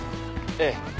ええ。